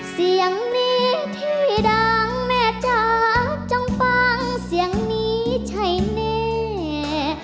เสียงนี้ที่ดังแม่จ๋าจงฟังเสียงนี้ใช่แน่